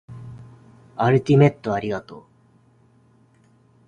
アルティメットありがとう